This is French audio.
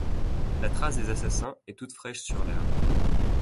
La trace des assassins est toute fraîche sur l’herbe.